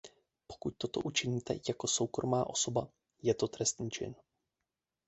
Pokud toto učiníte jako soukromá osoba, je to trestný čin.